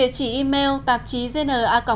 hoặc địa chỉ email tạp chí gna gmail com